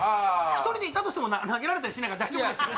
１人でいたとしても投げられたりしないから大丈夫ですよ